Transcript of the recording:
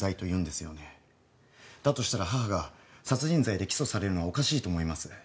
だとしたら義母が殺人罪で起訴されるのはおかしいと思います。